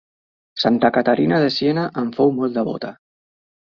Santa Caterina de Siena en fou molt devota.